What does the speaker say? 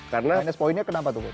minus pointnya kenapa tuh